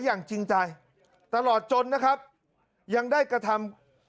อย่างจริงใจตลอดจนนะครับยังได้กระทำ